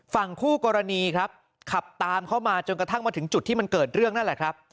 ฝั่งคู่กรณีครับขับตามเข้ามาจนกระทั่งมาถึงจุดที่มันเกิดเรื่องนั่นแหละครับ